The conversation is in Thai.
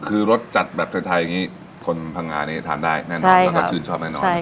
คือรสจัดแบบไทยอย่างนี้คนพังงานี้ทานได้แน่นอนแล้วก็ชื่นชอบแน่นอน